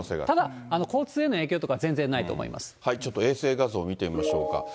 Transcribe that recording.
ただ、交通への影響とかは全然なちょっと衛星画像を見てみましょうか。